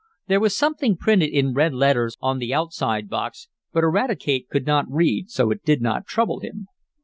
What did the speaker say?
There was something printed in red letters on the outside box, but Eradicate could not read, so it did not trouble him.